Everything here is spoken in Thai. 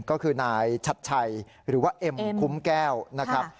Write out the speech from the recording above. ก็คือนายชัดชัยหรือว่าเอ็มคุ้มแก้วนะครับ